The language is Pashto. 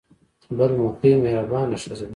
بل مکۍ مهربانه ښځه ده.